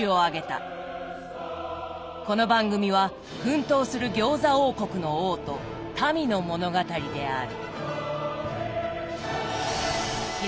この番組は奮闘する餃子王国の王と民の物語である。